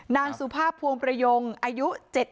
นางสุภาพพวงประยงอายุ๗๐